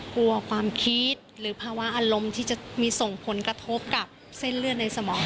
กลัวความคิดหรือภาวะอารมณ์ที่จะมีส่งผลกระทบกับเส้นเลือดในสมอง